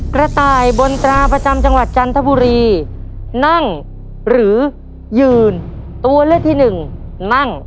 กระต่ายบนตราประจำจังหวัดจันทบุรีนั่งหรือยืนตัวเลือกที่หนึ่งนั่ง